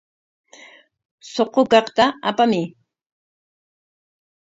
Suqu kaqta apamuy.